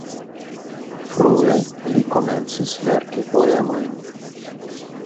Frue li komencis verki poemojn.